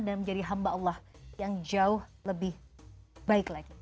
dan menjadi hamba allah yang jauh lebih baik lagi